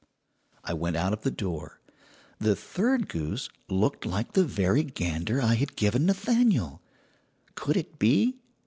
"I went out of the door. "The third goose looked like the very gander I had given Nathaniel. Could it be?